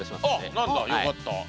あっ何だよかった。